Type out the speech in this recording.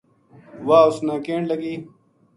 واہ اس نا کہن لگی